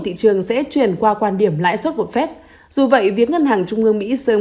thị trường sẽ chuyển qua quan điểm lãi suất một phép dù vậy việc ngân hàng trung ương mỹ sớm